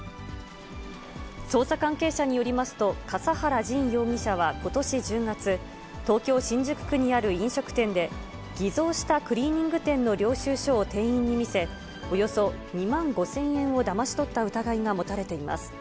捜査関係者によりますと、笠原仁容疑者はことし１０月、東京・新宿区にある飲食店で、偽造したクリーニング店の領収書を店員に見せ、およそ２万５０００円をだまし取った疑いが持たれています。